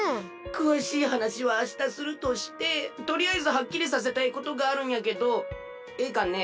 くわしいはなしはあしたするとしてとりあえずはっきりさせたいことがあるんやけどええかね？